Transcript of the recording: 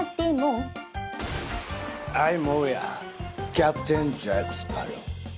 キャプテンジャック・スパロウ。